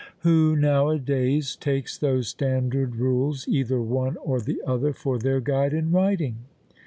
"Who now a days takes those Standard Rules, either one or the other, for their guide in writing?"